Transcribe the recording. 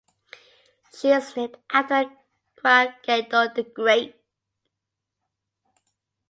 She is named after Gwanggaeto the Great.